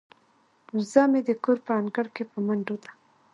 وزه مې د کور په انګړ کې په منډو ده.